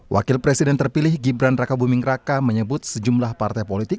wakil presiden terpilih gibran raka buming raka menyebut sejumlah partai politik